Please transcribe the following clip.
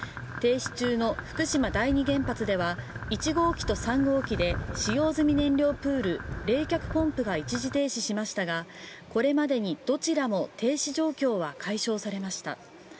停止中の福島第二原発では１号機と３号機で使用済み燃料プール冷却ポンプが一時停止しましたがこれまでにどちらも停止状況は解消されました。